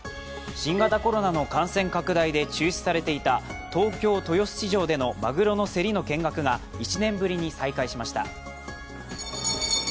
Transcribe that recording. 新型コロナの感染拡大で中止されていた東京・豊洲市場でのまぐろの競りの見学が１年ぶりに再開しました。